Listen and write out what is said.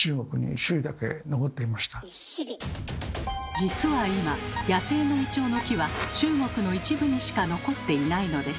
実は今野生のイチョウの木は中国の一部にしか残っていないのです。